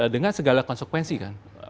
dengan segala konsekuensi kan